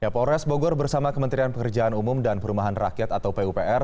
polres bogor bersama kementerian pekerjaan umum dan perumahan rakyat atau pupr